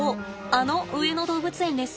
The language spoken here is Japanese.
あの上野動物園です。